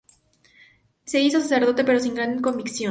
Se hizo sacerdote pero sin gran convicción.